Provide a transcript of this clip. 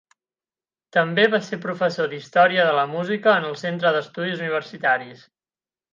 També va ser professor d'Història de la Música en el centre d'estudis Universitaris.